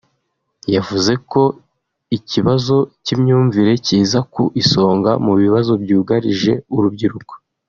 yavuze ko ikibazo cy’imyumvire kiza ku isonga mu bibazo byugarije urubyiruko